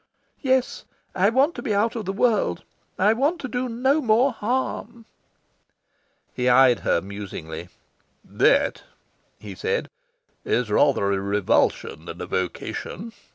"Yes. I want to be out of the world. I want to do no more harm." He eyed her musingly. "That," he said, "is rather a revulsion than a vocation.